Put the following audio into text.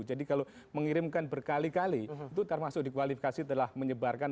jadi kalau mengirimkan berkali kali itu termasuk dikualifikasi telah menyebarkan